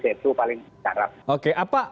itu paling syarat oke apa